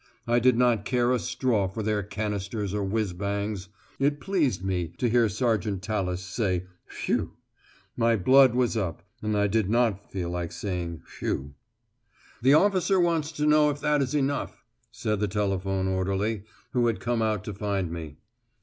I did not care a straw for their canisters or whizz bangs. It pleased me to hear Sergeant Tallis say "Phew." My blood was up, and I did not feel like saying "Phew." "The officer wants to know if that is enough," said the telephone orderly, who had come out to find me.